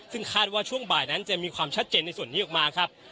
ซึ่งคาดว่าช่วงบ่ายนั้นจะมีความชัดเจนในส่วนนี้ออกมาครับ